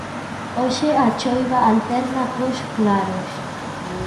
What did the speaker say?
Hoxe a choiva alterna cos claros.